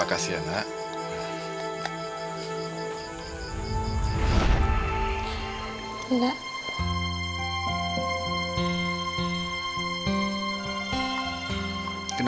aku akan menemukanmu